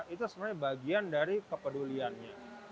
itu sebenarnya bagian dari kepeduliannya